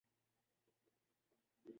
پاکستان، بھارتی فلموں